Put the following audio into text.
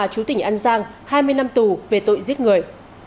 chú tỉnh an giang hai mươi năm tù về tội giết người